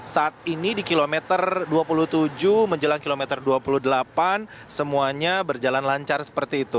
saat ini di kilometer dua puluh tujuh menjelang kilometer dua puluh delapan semuanya berjalan lancar seperti itu